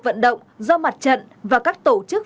vận động do mặt trận và các tổ chức